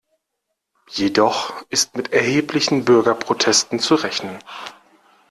Jedoch ist mit erheblichen Bürgerprotesten zu rechnen.